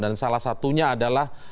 dan salah satunya adalah